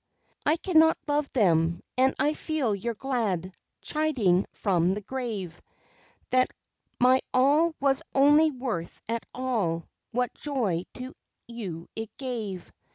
I cannot love them; and I feel your glad Chiding from the grave, That my all was only worth at all, what Joy to you it gave.